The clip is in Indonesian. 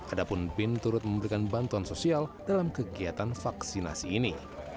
adapun bin turut memberikan bantuan sosial dalam kegiatan vaksinasi ini